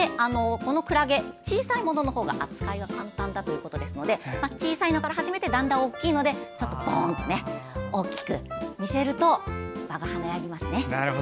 このくらげ、小さいもののほうが扱いは簡単だということですので小さいのから始めてだんだん大きいので大きく見せると場が華やぎますね。